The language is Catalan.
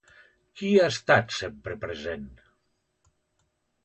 Qui hi ha estat sempre present?